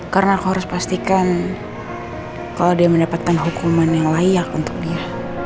karena aku harus pastikan kalau dia mendapatkan hukuman yang layak untuk dia